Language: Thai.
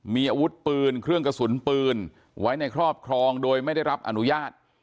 มีอาวุธปืนเครื่องกระสุนปืนไว้ในครอบครองโดยไม่ได้รับอนุญาต